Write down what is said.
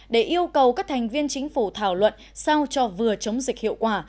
để yêu cầu các thành viên chính phủ thảo luận sao cho vừa chống dịch hiệu quả